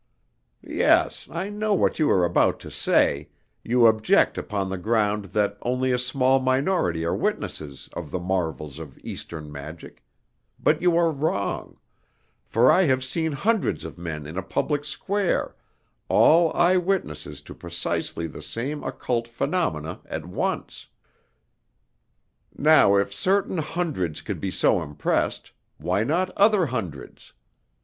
Yes, I know what you are about to say, you object upon the ground that only a small minority are witnesses of the marvels of Eastern magic; but you are wrong, for I have seen hundreds of men in a public square all eye witnesses to precisely the same occult phenomena at once. Now if certain hundreds could be so impressed, why not other hundreds?